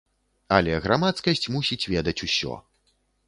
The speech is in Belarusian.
Але грамадскасць мусіць ведаць усё.